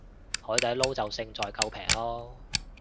海底撈就勝在夠平囉